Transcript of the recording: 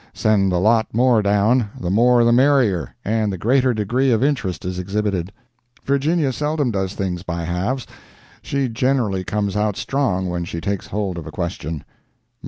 Send a lot more down—the more the merrier, and the greater degree of interest is exhibited. Virginia seldom does things by halves—she generally comes out strong when she takes hold of a question.